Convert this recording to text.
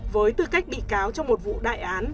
với tư cách bị cáo trong một vụ đại án